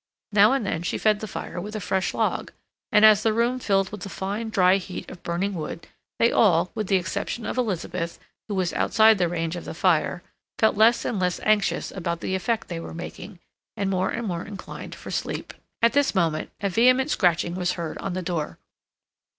Now and then she fed the fire with a fresh log, and as the room filled with the fine, dry heat of burning wood, they all, with the exception of Elizabeth, who was outside the range of the fire, felt less and less anxious about the effect they were making, and more and more inclined for sleep. At this moment a vehement scratching was heard on the door.